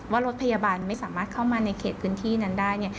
รถพยาบาลไม่สามารถเข้ามาในเขตพื้นที่นั้นได้